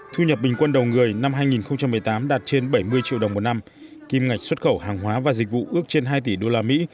thu nhập bình quân đầu người năm hai nghìn một mươi tám đạt trên bảy mươi triệu đồng một năm kim ngạch xuất khẩu hàng hóa và dịch vụ ước trên hai tỷ đô la mỹ